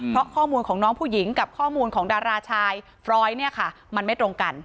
เพราะข้อมูลของน้องผู้หญิงกับข้อมูลของดาราชายฟรอยด์เนี่ยค่ะมันไม่ตรงกัน